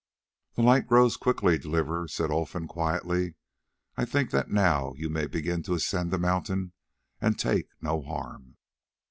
"The light grows quickly, Deliverer," said Olfan quietly; "I think that now you may begin to ascend the mountain and take no harm."